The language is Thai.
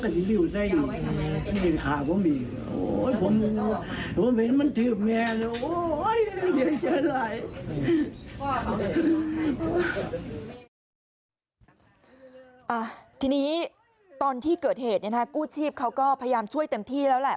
ทีนี้ตอนที่เกิดเหตุเนี่ยนะกู้ชีพเขาก็พยายามช่วยเต็มที่แล้วแหละ